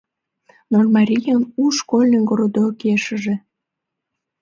— Нольмарийын у школьный городокешыже.